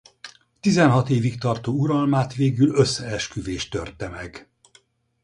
Tizenhat évig tartó uralmát végül összeesküvés törte meg.